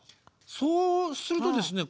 そうするとですね